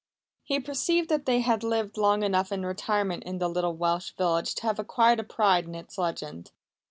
He perceived that they had lived long enough in retirement in the little Welsh village to have acquired a pride in its legend.